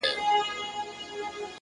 زغم د بریا اوږد ملګری دی!